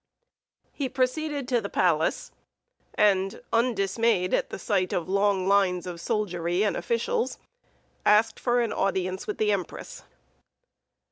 He proceeded to the palace, and, undismayed at sight of long lines of soldiery and officials, asked for an audience with the empress.